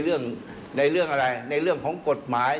เรื่องในเรื่องอะไรในเรื่องของกฎหมาย